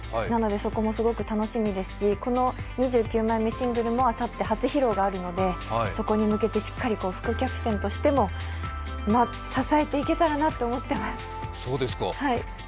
なのでそこもすごく楽しみですし、この２９枚目シングルもあさって初披露があるので、そこに向けてしっかり副キャプテンとしても支えていけたらなと思っています。